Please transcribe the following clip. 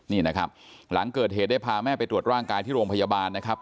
นี่นะครับหลังเกิดเหตุได้พาแม่ไปตรวจร่างกายที่โรงพยาบาลนะครับ